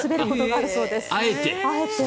あえて。